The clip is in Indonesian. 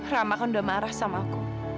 rama kan udah marah sama aku